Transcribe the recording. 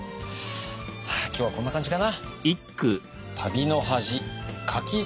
さあ今日はこんな感じかな。